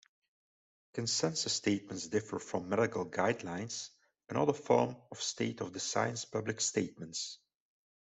Consensus statements differ from medical guidelines, another form of state-of-the-science public statements.